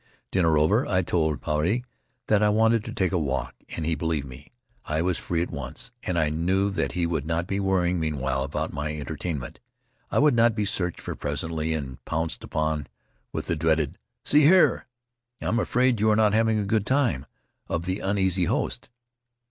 Dinner over, I told Puarei that I wanted to take a walk, and he believed me. I was free at once, and I knew that he would not be worrying meanwhile about my enter tainment. I would not be searched for presently, and pounced upon with the dreaded: "See here! I'm afraid you are not having a good time," of the uneasy host.